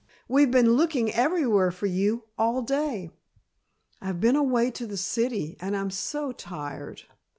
"We've been looking everywhere for you, all day." "I've been away, to the city, and I'm so tired!"